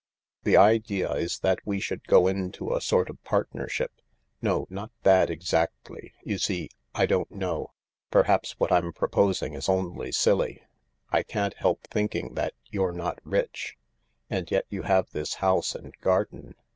"The idea is that we should go into a sort of partner* ship. No, not that exactly. You see, I don't know. Per haps what I'm proposing is only silly. I can't help thinking that you're not rich. And yet you have this house and garden.